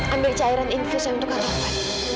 ambil cairan infusnya untuk kak fadil